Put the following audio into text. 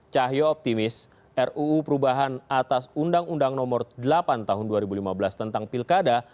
cahyo optimis ruu perubahan atas undang undang nomor delapan tahun dua ribu lima belas tentang pilkada